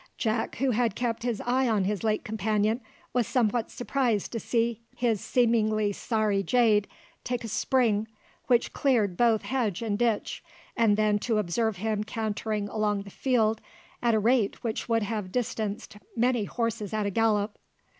Jack, who had kept his eye on his late companion, was somewhat surprised to see his seemingly sorry jade take a spring which cleared both hedge and ditch, and then to observe him cantering along the field at a rate which would have distanced many horses at a gallop.